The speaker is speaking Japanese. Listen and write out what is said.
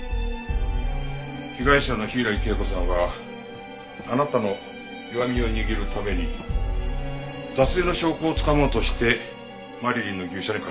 被害者の柊恵子さんはあなたの弱みを握るために脱税の証拠をつかもうとしてマリリンの牛舎に通っていた。